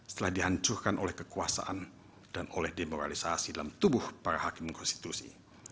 setelah dihancurkan oleh kekuasaan dan oleh demoralisasi dalam tubuh para hakim konstitusi